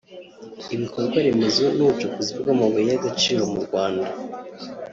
ibikorwa remezo n’ubucukuzi bw’amabuye y’agaciro mu Rwanda